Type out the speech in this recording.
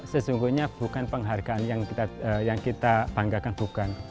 sesungguhnya bukan penghargaan yang kita banggakan bukan